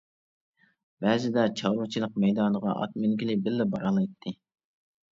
بەزىدە چارۋىچىلىق مەيدانىغا ئات مىنگىلى بىللە بارالايتتى.